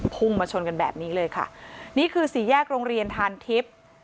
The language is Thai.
พุ่งมาชนกันแบบนี้เลยค่ะนี่คือสี่แยกโรงเรียนทานทิพย์